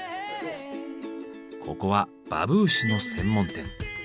ここはバブーシュの専門店。